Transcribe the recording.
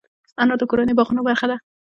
انار د کورنیو باغونو برخه ده.